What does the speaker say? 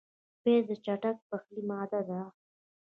پیاز د چټک پخلي ماده ده